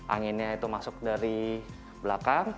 anginnya itu masuk dari belakang